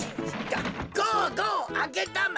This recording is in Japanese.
ゴーゴーあげだま！